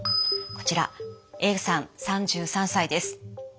こちらＡさん３３歳です。